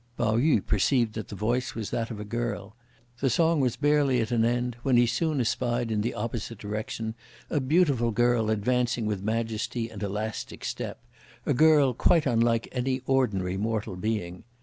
Pao yü perceived that the voice was that of a girl. The song was barely at an end, when he soon espied in the opposite direction, a beautiful girl advancing with majestic and elastic step; a girl quite unlike any ordinary mortal being.